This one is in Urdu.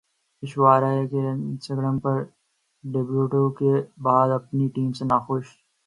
ایشوریا رائے انسٹاگرام پر ڈیبیو کے بعد اپنی ٹیم سے ناخوش